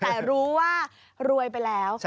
แต่รู้ว่ารวยไปแล้ว